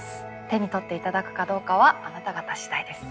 手に取って頂くかどうかはあなた方次第です。